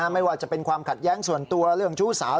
ไม่ว่าจะเป็นความขัดแย้งส่วนตัวเรื่องชู้สาว